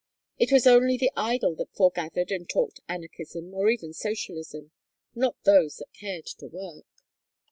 It was only the idle that foregathered and talked anarchism or even socialism; not those that cared to work.